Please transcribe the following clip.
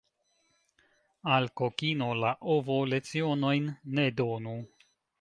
Al kokino la ovo lecionojn ne donu.